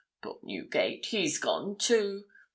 Poor Newgate, he's gone, too!